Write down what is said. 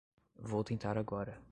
Vou tentar agora.